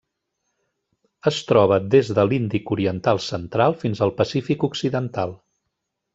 Es troba des de l'Índic oriental central fins al Pacífic occidental: